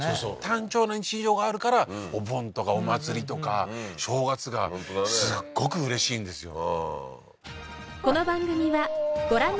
単調な日常があるからお盆とかお祭りとか正月がすっごくうれしいんですよ